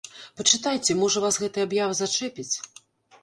Пачытайце, можа, вас гэтая аб'ява зачэпіць!